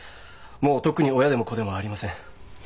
もうとっくに親でも子でもありません。